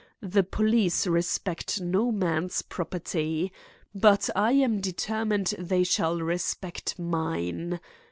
The police respect no man's property. But I am determined they shall respect mine.